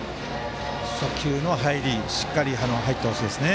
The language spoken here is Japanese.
初球、しっかり入ってほしいですね。